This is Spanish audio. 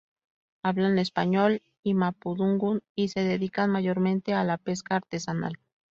Hablan español y mapudungun y se dedican mayormente a la pesca artesanal.